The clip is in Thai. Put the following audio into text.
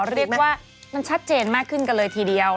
เรียกว่ามันชัดเจนมากขึ้นกันเลยทีเดียว